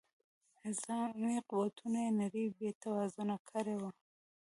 نظامي قوتونو یې نړۍ بې توازونه کړې وه.